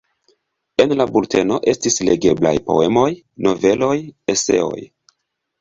En la bulteno estis legeblaj poemoj, noveloj, eseoj.